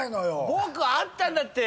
僕あったんだって！